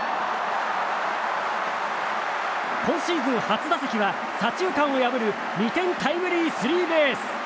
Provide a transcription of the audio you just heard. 今シーズン初打席は左中間を破る２点タイムリースリーベース！